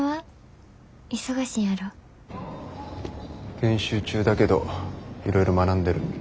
研修中だけどいろいろ学んでる。